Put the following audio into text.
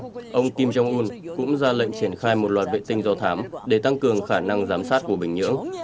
theo kcna ông kim jong un cũng ra lệnh triển khai một loạt vệ tinh giao thám để tăng cường khả năng giám sát của bình nhưỡng